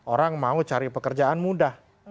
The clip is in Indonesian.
orang mau cari pekerjaan mudah